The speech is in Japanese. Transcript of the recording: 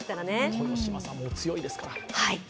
豊島さんもお強いですから。